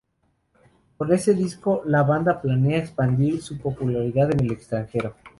Con este disco la banda planea expandir su popularidad en el extranjero.